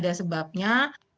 dan menyebabkan kekurangan